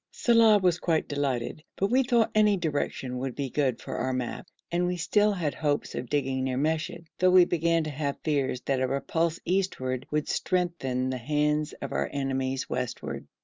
Saleh was quite delighted, but we thought any direction would be good for our map and we still had hopes of digging near Meshed, though we began to have fears that a repulse eastward would strengthen the hands of our enemies westward.